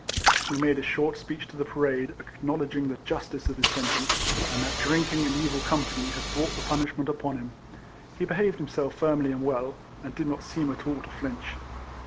He made a short speech to the parade, acknowledging the justice of his sentence, and that drinking and evil com pany had brought the punishment upon him. He behaved himself firmly and well, and did not seem at all to flinch.